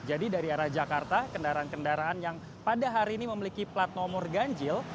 jadi dari arah jakarta kendaraan kendaraan yang pada hari ini memiliki plat nomor ganjil